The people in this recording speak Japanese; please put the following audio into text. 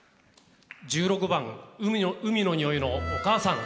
１６番「海の匂いのお母さん」。